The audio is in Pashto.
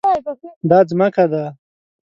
دا ځمکه ده